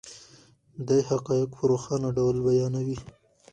دی حقایق په روښانه ډول بیانوي.